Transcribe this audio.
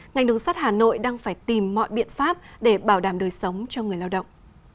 ngành đường sắt hà nội đang phải tìm mọi biện pháp để bảo đảm đời sống cho người lao động